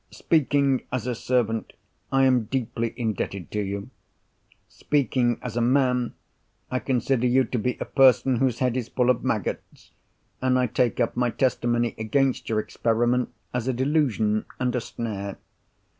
Speaking as a servant, I am deeply indebted to you. Speaking as a man, I consider you to be a person whose head is full of maggots, and I take up my testimony against your experiment as a delusion and a snare.